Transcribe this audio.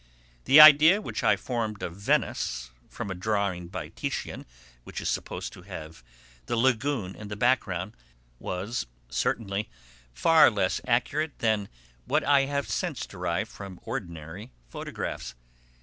The idea which I formed of Venice, from a drawing by Titian which is supposed to have the lagoon in the background, was certainly far less accurate than what I have since derived from ordinary photographs.